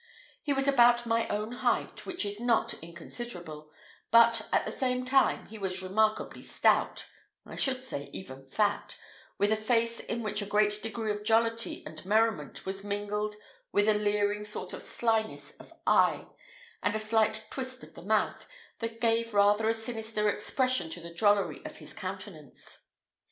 He was about my own height, which is not inconsiderable, but, at the same time, he was remarkably stout I should say even fat, with a face in which a great degree of jollity and merriment was mingled with a leering sort of slyness of eye, and a slight twist of the mouth, that gave rather a sinister expression to the drollery of his countenance.